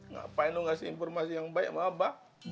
ngapain lo ngasih informasi yang baik sama abah